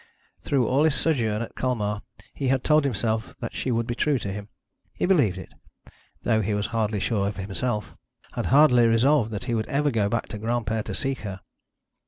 Through all his sojourn at Colmar he had told himself that she would be true to him. He believed it, though he was hardly sure of himself had hardly resolved that he would ever go back to Granpere to seek her.